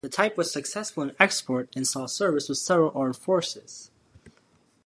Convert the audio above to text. The type was successful in export and saw service with several armed forces.